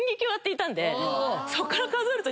そっから数えると。